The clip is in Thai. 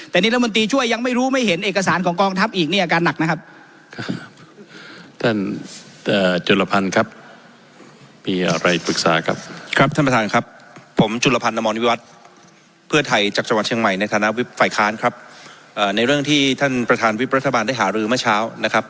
แต่นิรมนตรีช่วยยังไม่รู้ไม่เห็นเอกสารของกองทัพอีกเนี่ยอาการหนักนะครับ